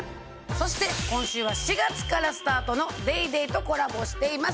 そして今週は４月からスタートの『ＤａｙＤａｙ．』とコラボしています。